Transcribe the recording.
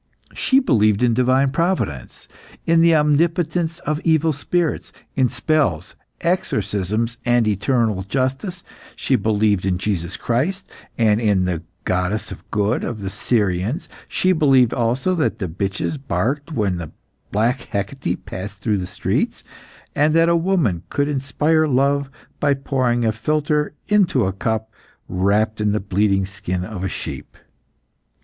She believed in divine providence, in the omnipotence of evil spirits, in spells, exorcisms, and eternal justice; she believed in Jesus Christ, and in the goddess of good of the Syrians; she believed also that bitches barked when black Hecate passed through the streets, and that a woman could inspire love by pouring a philtre into a cup wrapped in the bleeding skin of a sheep.